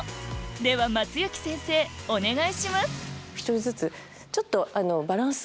では松雪先生お願いします１人ずつ。